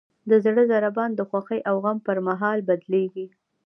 د زړه ضربان د خوښۍ او غم پر مهال بدلېږي.